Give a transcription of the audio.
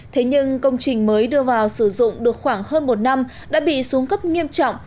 thế nhưng công trình mới đưa vào sử dụng được khoảng hơn một năm đã bị xuống cấp nghiêm trọng